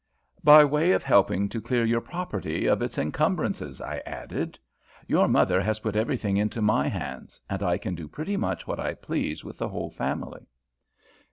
"By way of helping to clear your property of its encumbrances," I added. "Your mother has put everything into my hands, and I can do pretty much what I please with the whole family."